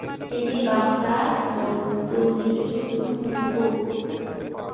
তিনি বাংলা গদ্যরীতির প্রথম লেখক।